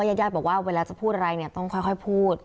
ญาติญาติบอกว่าเวลาจะพูดอะไรเนี่ยต้องค่อยพูด